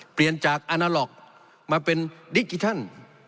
เปลี่ยนจากอาณาล็อกมาเป็นดิจิทัล